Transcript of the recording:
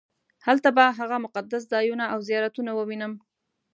هلته به هغه مقدس ځایونه او زیارتونه ووینم.